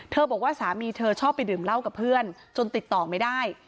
บอกว่าสามีเธอชอบไปดื่มเหล้ากับเพื่อนจนติดต่อไม่ได้